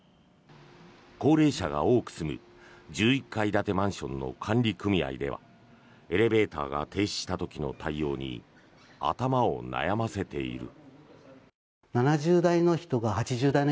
高齢者が多く住む１１階建てマンションの管理組合ではエレベーターが停止した時の対応に頭を悩ませている。